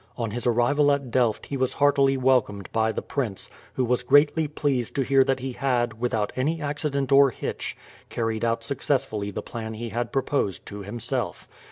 On his arrival at Delft he was heartily welcomed by the prince; who was greatly pleased to hear that he had, without any accident or hitch, carried out successfully the plan he had proposed to himself.